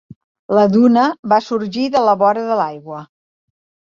La duna va sorgir de la vora de l'aigua.